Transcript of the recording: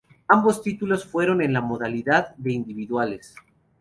Ambos títulos fueron en la modalidad de individuales.